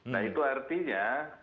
nah itu artinya